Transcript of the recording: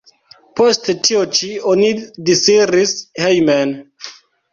Post tio ĉi oni disiris hejmen.